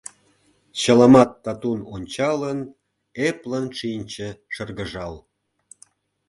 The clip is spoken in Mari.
Чыламат татун ончалын, эплын шинче шыргыжал.